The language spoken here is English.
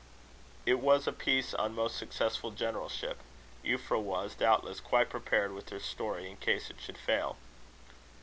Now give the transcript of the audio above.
It was a piece of most successful generalship. Euphra was, doubtless, quite prepared with her story in case it should fail.